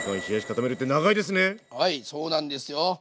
はいそうなんですよ。